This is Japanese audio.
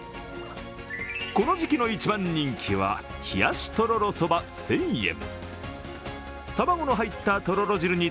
この時期の一番人気は、冷やしとろろそば１０００円。